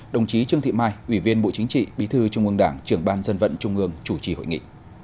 đồng chí trương thị mai ủy viên bộ chính trị bí thư trung ương đảng trưởng ban dân vận trung ương chủ trì hội nghị